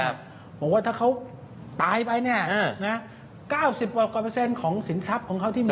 บอกว่าถ้าเขาตายไปนะ๙๐ของสินทรัพย์ของเขาที่มี